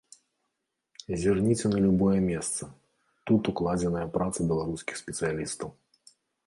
Зірніце на любое месца, тут укладзеная праца беларускіх спецыялістаў.